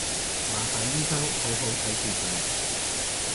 麻煩醫生好好睇住佢